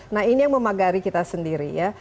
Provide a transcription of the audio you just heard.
nah ini yang memagari kita sendiri ya